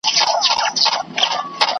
چي هر څه مي وي آرزو ناز مي چلیږي .